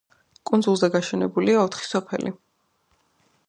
კუნძულზე გაშენებულია ოთხი სოფელი.